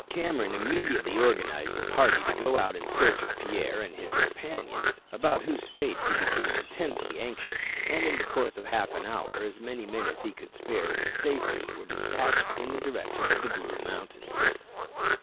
Cameron immediately organized a party to go out in search of Pierre and his companions, about whose fate he became intensely anxious, and in the course of half an hour as many men as he could spare with safety were despatched in the direction of the Blue Mountains.